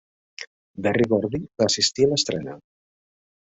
Berry Gordy va assistir a l'estrena.